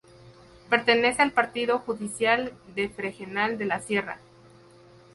Pertenece al partido judicial de Fregenal de la Sierra.